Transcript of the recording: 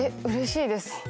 うれしいです。